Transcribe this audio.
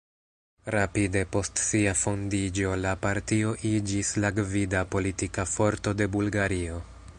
Rapide post sia fondiĝo la partio iĝis la gvida politika forto de Bulgario.